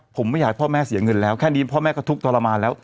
ผมไม่อยากให้พ่อแม่เสียเงินแล้วแค่นี้พ่อแม่ก็ทุกข์ทรมานแล้ว